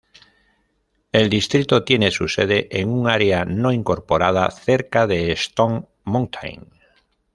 El distrito tiene su sede en un área no incorporada cerca de Stone Mountain.